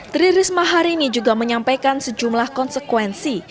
tri risma hari ini juga menyampaikan sejumlah konsekuensi